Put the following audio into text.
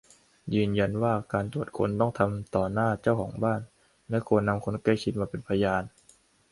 ยืนยันว่าการตรวจค้นต้องทำต่อหน้าเจ้าของบ้าน และควรนำคนใกล้ชิดมาเป็นพยาน